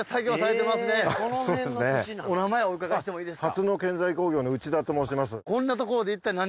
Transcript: お名前お伺いしてもいいですか？